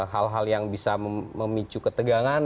hal hal yang bisa memicu ketegangan